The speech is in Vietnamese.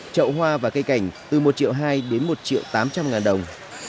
trậu hoa và cây cảnh từ một triệu hai đến một triệu tám trăm linh ngàn đồng